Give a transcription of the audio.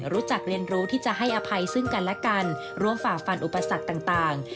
รู้จักเรียนรู้ที่จะให้อภัยซึ่งกันและกันร่วมฝ่าฟันอุปสรรคต่าง